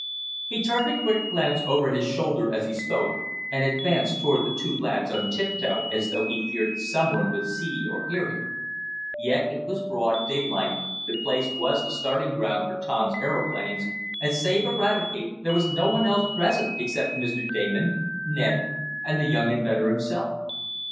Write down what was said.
He turned a quick glance over his shoulder as he spoke and advanced toward the two lads on tiptoe as though he feared some one would see or hear him. Yet it was broad daylight, the place was the starting ground for Tom's aeroplanes and save Eradicate there was no one present except Mr. Damon, Ned and the young inventor himself.